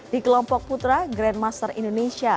di kelompok putra grandmaster indonesia